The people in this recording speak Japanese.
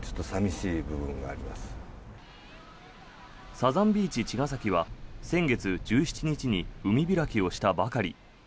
サザンビーチちがさきは先月１７日に海開きをしたばかり。